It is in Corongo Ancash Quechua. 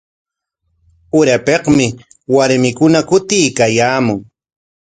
Urapikmi warmikuna kutiykaayaamun.